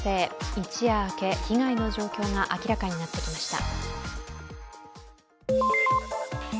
一夜明け、被害の状況が明らかになってきました。